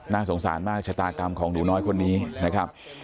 สงสารมากชะตากรรมของหนูน้อยคนนี้นะครับ